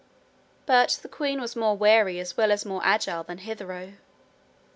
But the queen was more wary as well as more agile than hitherto.